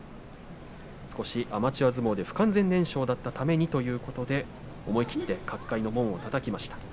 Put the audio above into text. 沖縄中部農林高校から日本大学へ少しアマチュア相撲で不完全燃焼だったということで思い切って角界の門をたたきました。